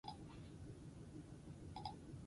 Txinak uhartearen subiranotasuna berreskuratu zuen.